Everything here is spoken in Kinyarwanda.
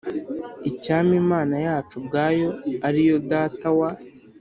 Icyampa Imana yacu ubwayo ari yo Data wa